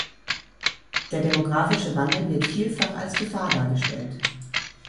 Der demografische Wandel wird vielfach als Gefahr dargestellt.